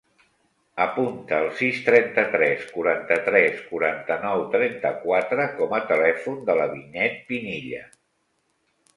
Apunta el sis, trenta-tres, quaranta-tres, quaranta-nou, trenta-quatre com a telèfon de la Vinyet Pinilla.